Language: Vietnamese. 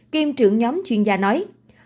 kiêm trưởng nhóm chuyên gia nói